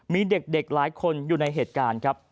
มีเด็กหลายคนอยู่ในเหตุการณ์ครับ